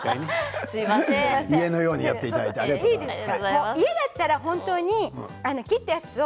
家のようにやっていただいてありがとうございます。